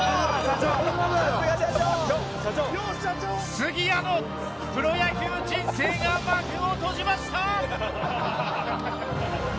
杉谷のプロ野球人生が幕を閉じました！